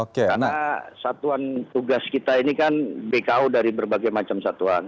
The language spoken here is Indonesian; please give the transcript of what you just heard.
karena satuan tugas kita ini kan bko dari berbagai macam satuan